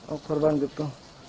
oh korban gitu